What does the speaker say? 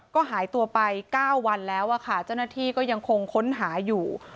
ก็หายตัวไป๙วันแล้วค่ะเจ้าหน้าที่ก็ยังคงค้นหาอยู่